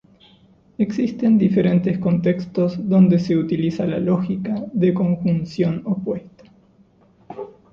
Existen diferentes contextos dónde se utiliza la lógica de conjunción opuesta.